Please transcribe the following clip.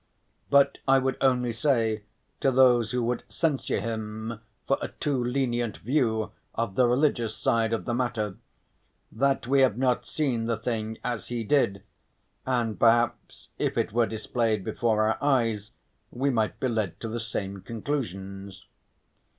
But I would only say to those who would censure him for a too lenient view of the religious side of the matter, that we have not seen the thing as he did, and perhaps if it were displayed before our eyes we might be led to the same conclusions.